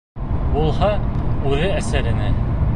Булһа, үҙе эсер ине.